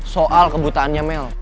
soal kebutaannya mel